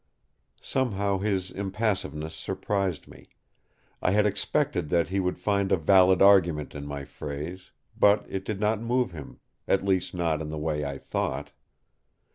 Somehow his impassiveness surprised me. I had expected that he would find a valid argument in my phrase; but it did not move him, at least not in the way I thought.